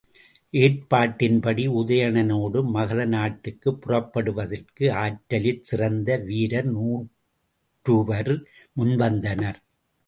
ஏற்பாட்டின்படி உதயணனோடு மகதநாட்டுக்குப் புறப்படுவதற்கு ஆற்றலிற் சிறந்த வீரர் நூற்றுவர் முன்வந்தனர்.